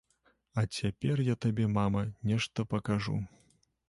А цяпер я табе, мама, нешта пакажу.